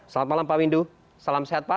selamat malam pak windu salam sehat pak